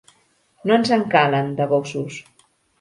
No ens en calen, de gossos.